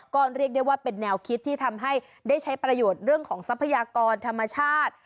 ก็เรียกได้ว่าเป็นแนวคิดที่ทำให้ได้ใช้ประโยชน์เรื่องของทรัพยากรธรรมชาติ